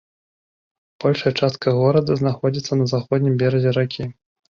Большая частка горада знаходзіцца на заходнім беразе ракі.